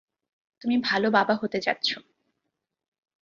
তুমি ভালো বাবা হতে যাচ্ছ।